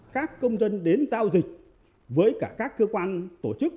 các công dân đến giao dịch với cả các cơ quan tổ chức